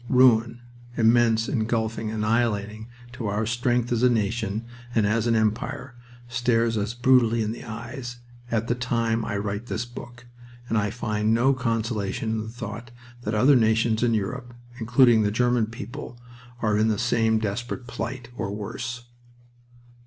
Ruin, immense, engulfing, annihilating to our strength as a nation and as an empire, stares us brutally in the eyes at the time I write this book, and I find no consolation in the thought that other nations in Europe, including the German people, are in the same desperate plight, or worse.